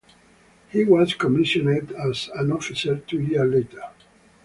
He was commissioned as an officer two years later.